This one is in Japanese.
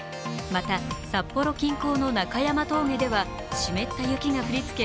また札幌近郊の中山峠では湿った雪が降りつけ